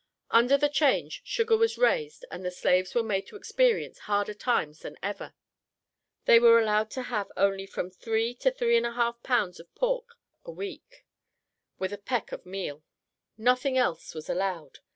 Under the change sugar was raised and the slaves were made to experience harder times than ever; they were allowed to have only from three to three and a half pounds of pork a week, with a peck of meal; nothing else was allowed.